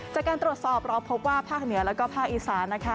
จากการตรวจสอบเราพบว่าภาคเหนือแล้วก็ภาคอีสานนะคะ